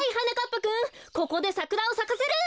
ぱくんここでサクラをさかせる！